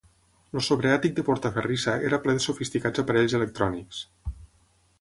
El sobreàtic de Portaferrissa era ple de sofisticats aparells electrònics.